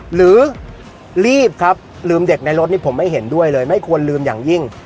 หรือรีบครับลืมเด็กในรถนี่ผมไม่เห็นด้วยเลยไม่ควรลืมอย่างยิ่ง